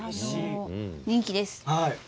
人気です。